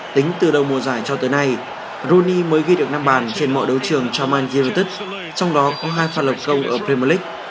tính từ đầu mùa giải cho tới nay rooney mới ghi được năm bàn trên mọi đấu trường cho manchester united trong đó có hai pha lập công ở premier league